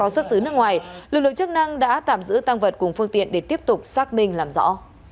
xuất xứ nước ngoài lực lượng chức năng đã tạm giữ tăng vật cùng phương tiện để tiếp tục xác minh làm rõ